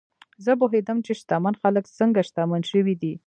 زه پوهېدم چې شتمن خلک څنګه شتمن شوي دي.